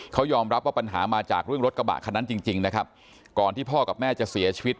เขายอมรับว่าปัญหามาจากเรื่องรถกระบะคันนั้นจริงจริงนะครับก่อนที่พ่อกับแม่จะเสียชีวิต